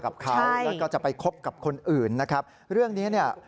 กับเขาแล้วจะไปคบกับคนอื่นเรื่องนี้